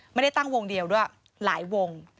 ไม่ได้ตั้งวงเดียวด้วยหลายวง